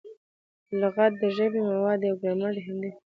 لغت د ژبي مواد دي او ګرامر د همدې لغاتو د کاروني قانون دئ.